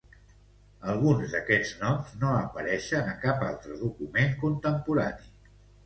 Alguns d'estos noms no apareixen a cap altre document contemporani.